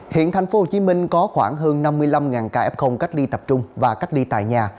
hiện thành phố hồ chí minh có khoảng hơn năm mươi năm kf cách ly tập trung và cách ly tại nhà